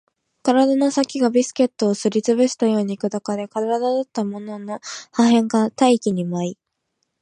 体の先がビスケットをすり潰すように砕かれ、体だったものの破片が大気に舞い